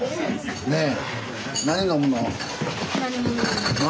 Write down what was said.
ねえ。